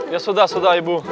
ya sudah sudah ibu